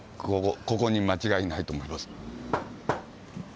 ここに間違いないと思います。